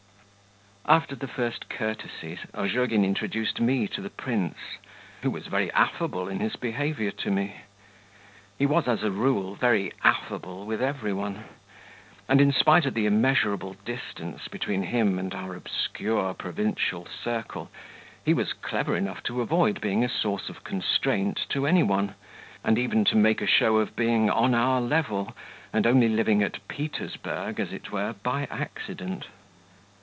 After the first courtesies, Ozhogin introduced me to the prince, who was very affable in his behaviour to me. He was as a rule very affable with every one; and in spite of the immeasurable distance between him and our obscure provincial circle, he was clever enough to avoid being a source of constraint to any one, and even to make a show of being on our level, and only living at Petersburg, as it were, by accident.